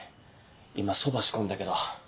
今そば仕込んだけど。